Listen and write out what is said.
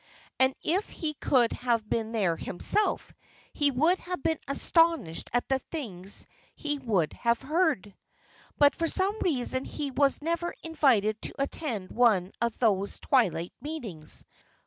And if he could have been there himself he would have been astonished at the things he would have heard. But for some reason he was never invited to attend one of those twilight meetings.